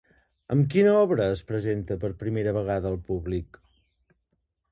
Amb quina obra es presenta per primera vegada al públic?